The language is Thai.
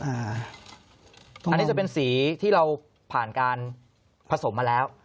อันนี้จะเป็นสีที่เราผ่านการผสมมาแล้ว